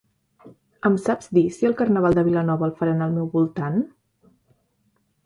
Em saps dir si el Carnaval de Vilanova el faran al meu voltant?